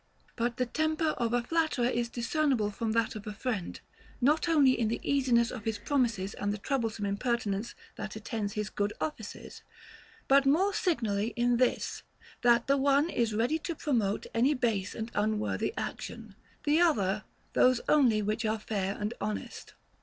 23. But the temper of a flatterer is discernible from that of a friend not only in the easiness of his promises and the troublesome impertinence that attends his good offices, but more signally in this, that the one is ready to promote any base and unworthy action, the other those only which are fair and honest.